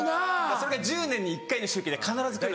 それが１０年に１回の周期で必ず来るんで。